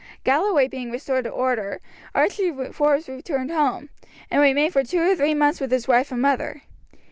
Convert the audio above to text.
Galloway being restored to order, Archie Forbes returned home, and remained for two or three months with his wife and mother.